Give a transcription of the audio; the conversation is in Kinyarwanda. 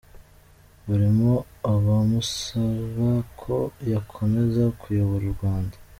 Barimo abamusaba ko yakomeza kuyobora u Rwanda.